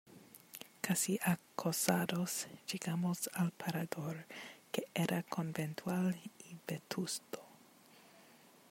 casi acosados, llegamos al parador , que era conventual y vetusto